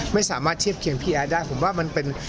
ไม่สามารถเทียบเคียงพี่แอดได้ผมว่ามันเป็น